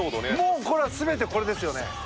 もうこれは全てこれですよね。